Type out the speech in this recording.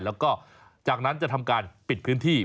แล้วก็จากนั้นจะทำการปิดพื้นที่